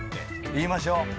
言いましょう。